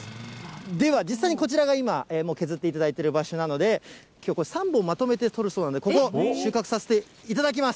では、実際にこちらが今、もう削っていただいてる場所なので、きょうこれ、３本まとめて取るそうなんで、ここを収穫させていただきます。